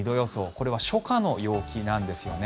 これは初夏の陽気なんですよね。